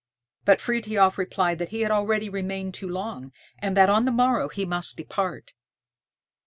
But Frithiof replied that he had already remained too long, and that on the morrow he must depart.